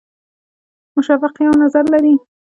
مشفق یو نظر لري.